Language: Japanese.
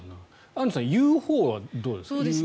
アンジュさん言うほうはどうです？